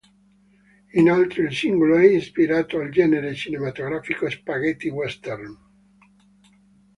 Inoltre il singolo è ispirato al genere cinematografico spaghetti western.